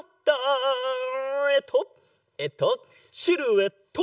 えっとえっとシルエット。